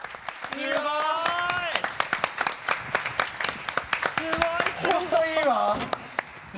すごい！